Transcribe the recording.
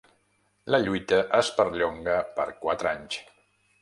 La lluita es perllonga per quatre anys.